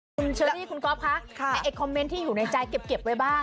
คุณเชอรี่คุณก๊อฟคะไอ้คอมเมนต์ที่อยู่ในใจเก็บไว้บ้าง